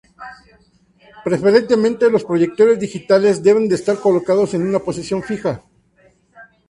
Preferentemente, los proyectores digitales deben estar colocados en una posición fija.